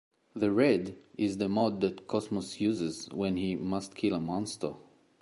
The red is the mode that Cosmos uses when he must kill a monster.